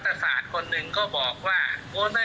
แต่บอกว่าถ้าโอนหรือไม่โอนเท่าแล้วแต่เนี่ย